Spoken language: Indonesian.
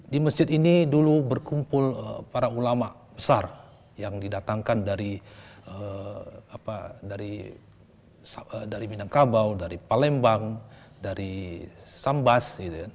di masjid ini dulu berkumpul para ulama besar yang didatangkan dari minangkabau dari palembang dari sambas